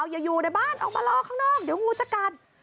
อย่าอยู่ในบ้านออกมารอข้างนอกเดี๋ยวงูจะกัด